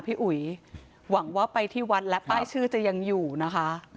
อุ๋ยหวังว่าไปที่วัดและป้ายชื่อจะยังอยู่นะคะ